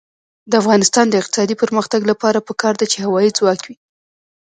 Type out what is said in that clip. د افغانستان د اقتصادي پرمختګ لپاره پکار ده چې هوایی ځواک وي.